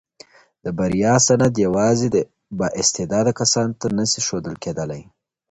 د بریا سند یوازي با استعداده کسانو ته نه سي ښودل کېدلای.